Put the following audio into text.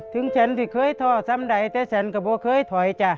ถึงฉันที่เคยท่อซ้ำใดแต่ฉันก็บอกเคยถอยจ้ะ